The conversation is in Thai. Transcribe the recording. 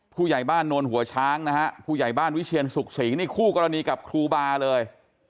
ผู้ใหญ่บ้านโนนหัวช้างนะฮะผู้ใหญ่บ้านวิเชียนสุขศรีนี่คู่กรณีกับครูบาเลย